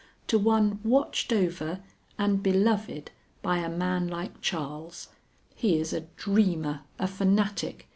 to one watched over and beloved by a man like Charles? He is a dreamer, a fanatic.